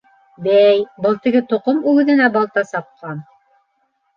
Бәй, был теге тоҡом үгеҙенә балта сапҡан...